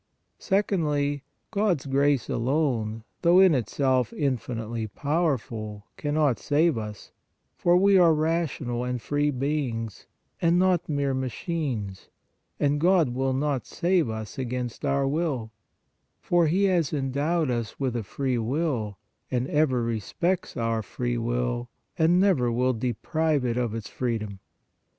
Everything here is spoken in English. Secondly, God s grace alone, though in itself infinitely powerful, cannot save us, for we are rational and free beings, and not mere machines, and God will not save us against our will, for He has endowed us with a free will and ever respects our free will and never will deprive it of its free dom.